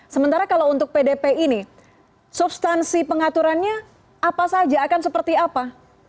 sementara kalau untuk pdp ini substansi pengaturannya apa saja akan seperti apa